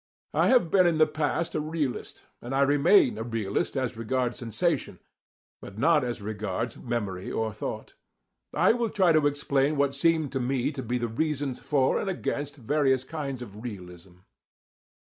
I have been in the past a realist, and I remain a realist as regards sensation, but not as regards memory or thought. I will try to explain what seem to me to be the reasons for and against various kinds of realism.